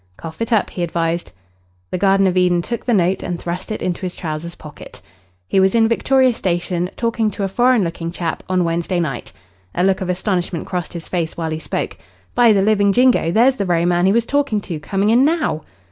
"Cough it up," he advised. The Garden of Eden took the note and thrust it into his trousers pocket. "He was in Victoria Station, talking to a foreign looking chap, on Wednesday night." A look of astonishment crossed his face while he spoke. "By the living jingo, there's the very man he was talking to coming in now."